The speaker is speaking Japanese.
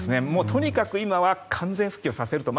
とにかく今は完全復旧させると。